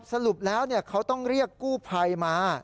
สรุปแล้วเขาต้องเรียกกู้ภัยมา